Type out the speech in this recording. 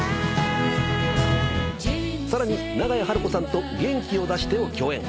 さらに長屋晴子さんと『元気を出して』を共演。